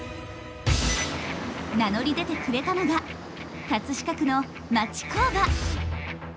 名乗り出てくれたのが飾区の町工場。